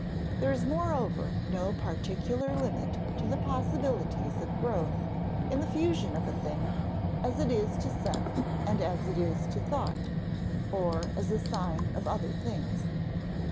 There is moreover no particular limit to the possibilities of growth in the fusion of a thing as it is to sense and as it is to thought, or as a sign of other things.